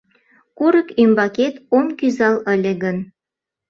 Курык ӱмбакет ом кӱзал ыле гын